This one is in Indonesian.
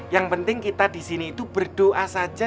yang penting kita di sini itu berdoa saja